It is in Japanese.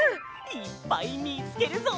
いっぱいみつけるぞ！